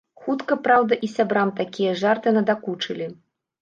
Хутка, праўда, і сябрам такія жарты надакучылі.